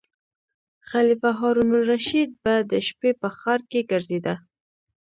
خلیفه هارون الرشید به د شپې په ښار کې ګرځیده.